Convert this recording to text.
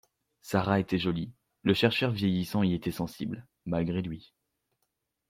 Sara était jolie, le chercheur vieillissant y était sensible, malgré lui